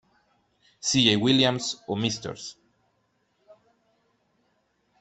C. Jay Williams o Mrs.